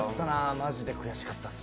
マジで悔しかったです。